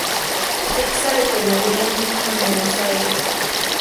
ふてくされて投げやりになるのをおさえる